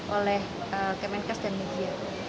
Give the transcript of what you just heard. oleh kemenkes dan media